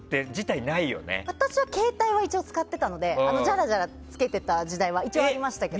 私は携帯は一応使ってたのでじゃらじゃらつけてた時代はありましたけど。